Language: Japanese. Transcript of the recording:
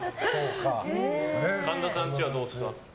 神田さんちはどうですか？